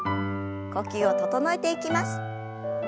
呼吸を整えていきます。